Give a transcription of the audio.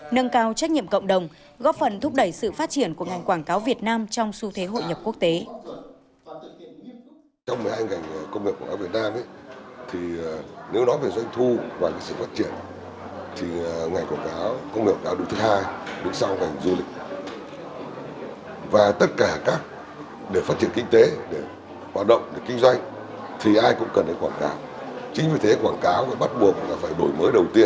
nâng cao trách nhiệm cộng đồng góp phần thúc đẩy sự phát triển của ngành quảng cáo việt nam trong xu thế hội nhập quốc tế